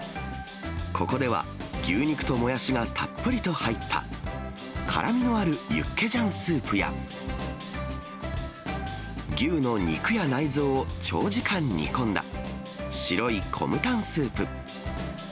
ここでは、牛肉ともやしがたっぷりと入った、辛みのあるユッケジャンスープや、牛の肉や内臓を長時間煮込んだ、白いコムタンスープ。